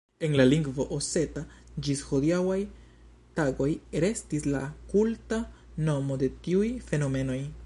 En la lingvo oseta ĝis hodiaŭaj tagoj restis la kulta nomo de tiuj fenomenoj.